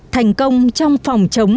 thành công trong phòng chống